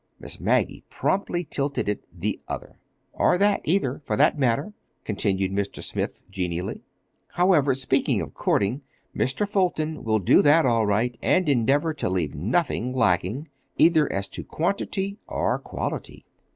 (Miss Maggie promptly tilted it the other.) "Or that, either, for that matter," continued Mr. Smith genially. "However, speaking of courting—Mr. Fulton will do that, all right, and endeavor to leave nothing lacking, either as to quantity or quality.